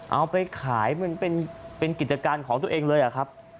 เอาไปขายเหมือนเป็นกิจการของตัวเองเลยอะครับ